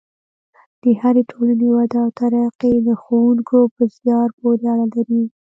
د هرې ټولنې وده او ترقي د ښوونکو په زیار پورې اړه لري.